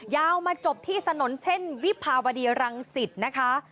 ยาวมาจบที่ถนนเส้นวิภาวดีรังสิตนะคะ